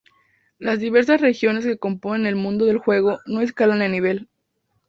Las diversas regiones que componen el mundo del juego no escalan en nivel.